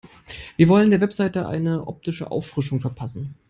Wir wollen der Website eine optische Auffrischung verpassen.